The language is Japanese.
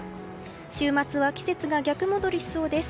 週末は季節が逆戻りしそうです。